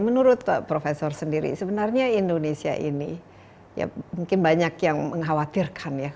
menurut profesor sendiri sebenarnya indonesia ini ya mungkin banyak yang mengkhawatirkan ya